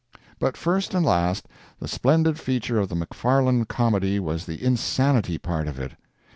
But first and last, the splendid feature of the McFarland comedy was the insanity part of it.